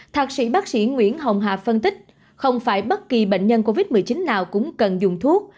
thạc sĩ bác sĩ nguyễn hồng hà phân tích không phải bất kỳ bệnh nhân covid một mươi chín nào cũng cần dùng thuốc